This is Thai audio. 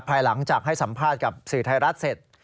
ภายหลังจากให้สัมภาษณ์กับสื่อไทยรัฐเสร็จ